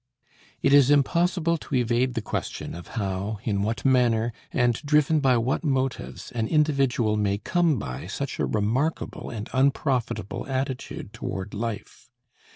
It is impossible to evade the question of how, in what manner, and driven by what motives, an individual may come by such a remarkable and unprofitable attitude toward life.